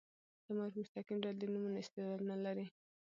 ضمایر په مستقیم ډول د نومونو استعداد نه لري.